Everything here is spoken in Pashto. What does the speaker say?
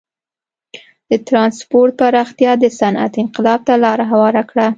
د ټرانسپورت پراختیا د صنعت انقلاب ته لار هواره کړه.